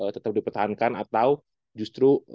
tetap dipertahankan atau justru